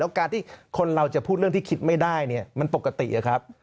การที่คนเราจะพูดเรื่องที่คิดไม่ได้มันปกติอะครับ